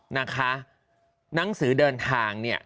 นะคะหนังสือเดินทางเนี่ย